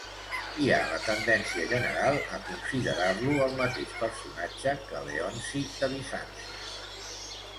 Hi ha la tendència general a considerar-lo el mateix personatge que Leonci de Bizanci.